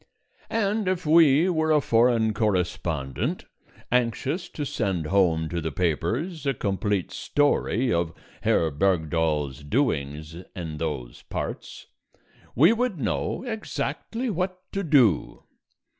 And if we were a foreign correspondent, anxious to send home to the papers a complete story of Herr Bergdoll's doings in those parts, we would know exactly what to do.